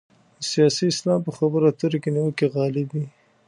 د سیاسي اسلام په خبرو اترو کې نیوکې غالب وي.